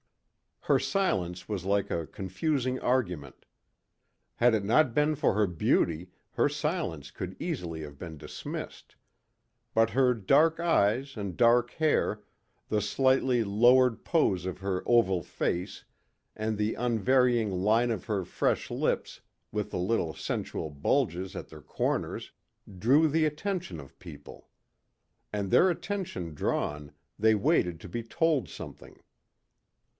Her silence was like a confusing argument. Had it not been for her beauty her silence could easily have been dismissed. But her dark eyes and dark hair, the slightly lowered pose of her oval face and the unvarying line of her fresh lips with the little sensual bulges at their corners, drew the attention of people. And their attention drawn, they waited to be told something.